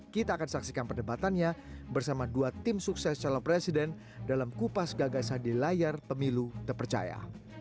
kita akan saksikan perdebatannya bersama dua tim sukses calon presiden dalam kupas gagasan di layar pemilu terpercaya